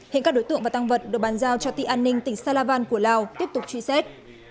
hiện các đối tượng và tăng vật được bàn giao cho tị an ninh tỉnh salavan của lào tiếp tục truy xét